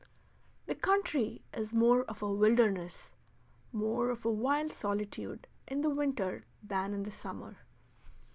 The country is more of a wilderness, more of a wild solitude, in the winter than in the summer.